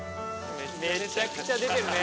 めちゃくちゃ出てるね。